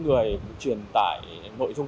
người truyền tải nội dung